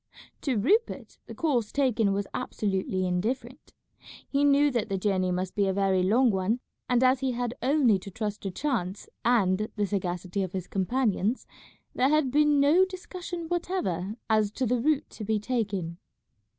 To Rupert the course taken was absolutely indifferent. He knew that the journey must be a very long one, and as he had only to trust to chance and the sagacity of his companions, there had been no discussion whatever as to the route to be taken.